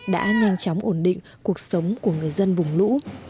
đã nhanh chóng ổn định cuộc sống của người dân vùng lũ